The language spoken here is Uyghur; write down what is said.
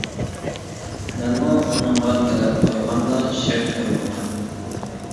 مەنمۇ ئۇنىڭغا تەلەپ قويغاندا شەرت قويمىغان.